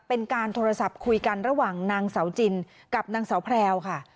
เป็นการโทรศัพท์คุยกันระหว่างนางเสาจินกับนางเสาแพรวค่ะ